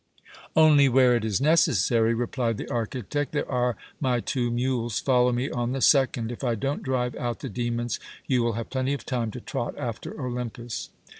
"Only where it is necessary," replied the architect. "There are my two mules; follow me on the second. If I don't drive out the demons, you will have plenty of time to trot after Olympus."